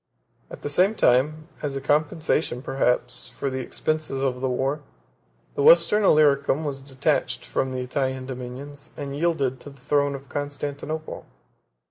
At the same time, as a compensation, perhaps, for the expenses of the war, the Western Illyricum was detached from the Italian dominions, and yielded to the throne of Constantinople.